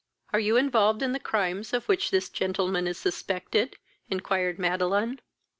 "Are you involved in the crimes of which this gentleman is suspected?" inquired Madeline.